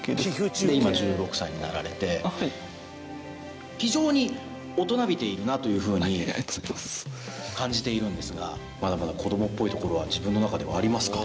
竹田：今、１６歳になられて非常に大人びているなという風に感じているんですがまだまだ子どもっぽいところは自分の中ではありますか？